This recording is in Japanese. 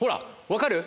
分かる？